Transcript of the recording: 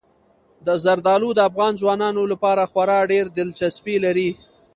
زردالو د افغان ځوانانو لپاره خورا ډېره دلچسپي لري.